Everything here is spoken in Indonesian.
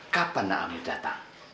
kapan amir datang